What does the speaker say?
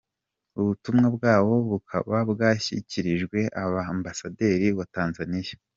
Ubutumwa bwabo bukaba bwashyikirijwe Ambasaderi wa Tanzania.